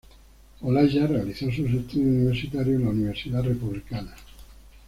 Olaya realizó sus estudios universitarios en la Universidad Republicana.